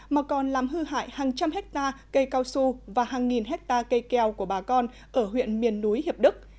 mà còn làm hư hại hàng trăm hectare cây cao su và hàng nghìn hectare cây keo của bà con ở huyện miền núi hiệp đức